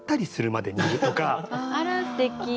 あらすてき。